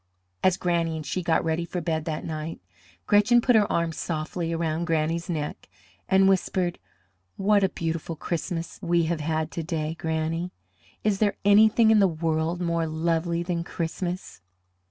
As Granny and she got ready for bed that night, Gretchen put her arms softly around Granny's neck, and whispered: "What a beautiful Christmas we have had to day, Granny! Is there anything in the world more lovely than Christmas?"